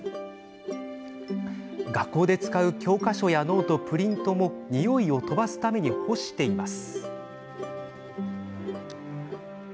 学校で使う教科書やノートプリントもにおいを飛ばすために干しています。